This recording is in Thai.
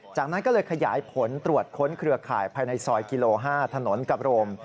จากนั้นก็เลยขยายผลตรวจค้นเครือข่ายภายในซอยกิโล๕ถนนกับโรม